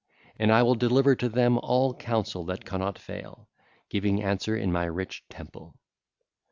And I will deliver to them all counsel that cannot fail, giving answer in my rich temple.